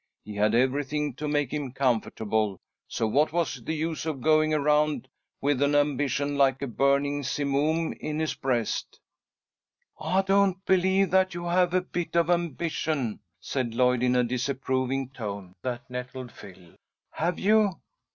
He had everything to make him comfortable, so what was the use of going around with an ambition like a burning simoom in his breast." "I don't believe that you have a bit of ambition," said Lloyd, in a disapproving tone that nettled Phil. "Have you?"